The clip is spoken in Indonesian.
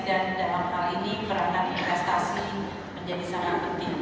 dan dalam hal ini peranan investasi menjadi sangat penting